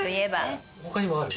他にもある？